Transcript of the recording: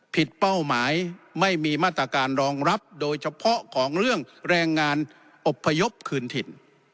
เป้าหมายไม่มีมาตรการรองรับโดยเฉพาะของเรื่องแรงงานอบพยพคืนถิ่น